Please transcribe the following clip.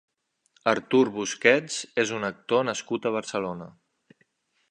Artur Busquets és un actor nascut a Barcelona.